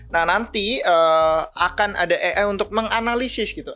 nah nanti akan ada untuk menganalisis gitu